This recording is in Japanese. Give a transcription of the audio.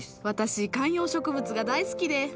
私観葉植物が大好きで。